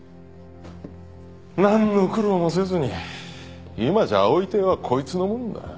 何の苦労もせずに今じゃ葵亭はこいつのもんだ。